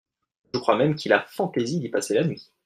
Je crois même qu'il a fantaisie d'y passer la nuit.